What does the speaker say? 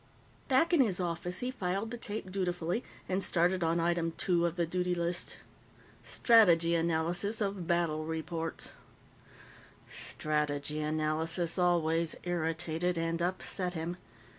Back in his office, he filed the tape dutifully and started on Item Two of the duty list: Strategy Analysis of Battle Reports. Strategy analysis always irritated and upset him.